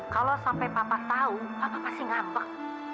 kalau sampai papa tahu papa pasti ngambek